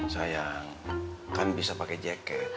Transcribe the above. sayang kan bisa pakai jaket